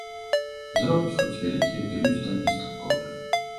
Заробкі хоць і вялікія, ды людзі там бесталковыя.